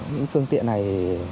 những phương tiện này